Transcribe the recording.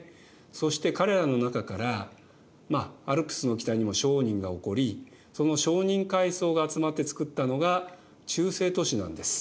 そして彼らの中からまあアルプスの北にも商人がおこりその商人階層が集まって作ったのが中世都市なんです。